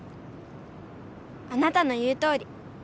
あなたの言うとおり。